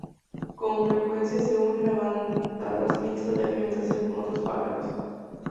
Con frecuencia se unen a bandadas mixtas de alimentación con otros pájaros.